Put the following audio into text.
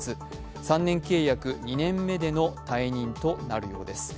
３年契約２年目での退任となるようです。